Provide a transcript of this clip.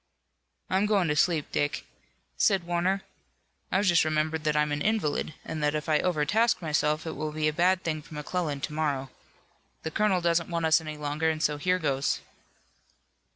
"I'm going to sleep, Dick," said Warner. "I've just remembered that I'm an invalid and that if I overtask myself it will be a bad thing for McClellan to morrow. The colonel doesn't want us any longer, and so here goes."